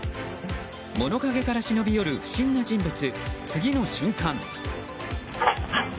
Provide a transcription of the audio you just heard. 物陰から忍び寄る不審な人物。